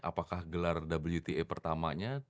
apakah gelar wta pertamanya